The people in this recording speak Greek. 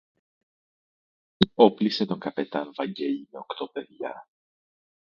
Όπλισε τον καπετάν-Βαγγέλη με οκτώ παιδιά